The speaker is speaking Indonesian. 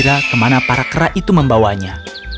mereka mencari kemana para kera itu membawanya